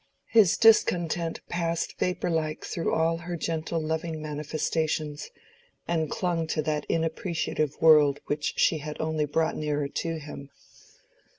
His discontent passed vapor like through all her gentle loving manifestations, and clung to that inappreciative world which she had only brought nearer to him.